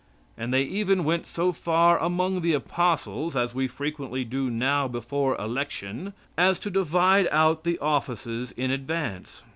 And they even went so far among the Apostles, as we frequently do now before election, as to divide out the offices in advance.